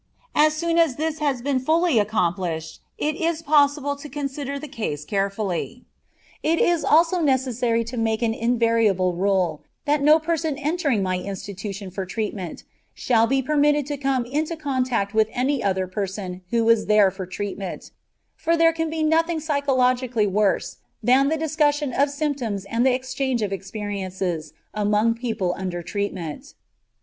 As soon as this has been fully accomplished, it is possible to consider the case carefully. It is also necessary to make an invariable rule that no person entering my institution for treatment shall be permitted to come into contact with any other person who is there for treatment, for there can be nothing psychologically worse than the discussion of symptoms and the exchange of experiences among people under treatment.